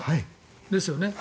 ですよね？